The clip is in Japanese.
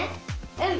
うん！